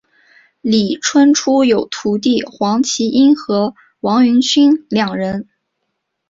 李春初有徒弟黄麒英和王云清两人。